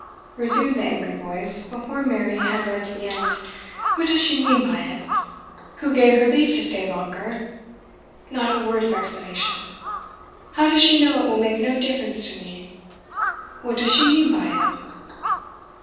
resumed the angry voice, before Mary had read to the end. 'What does she mean by it? Who gave her leave to stay longer? Not a word of explanation. How does she know it will make no difference to me? What does she mean by it?